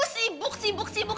sibuk sibuk sibuk